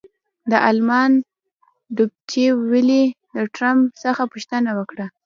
د المان ډویچې وېلې د ټرمپ څخه پوښتنه وکړه.